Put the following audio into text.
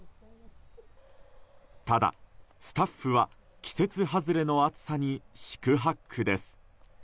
ただ、スタッフは季節外れの暑さに四苦八苦です。